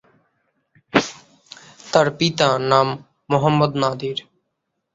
তার পিতা নাম "মোহাম্মদ নাদির"।